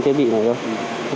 thế này là xong thế này